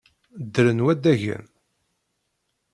Ddren waddagen.